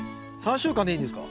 ３週間でいいんですか？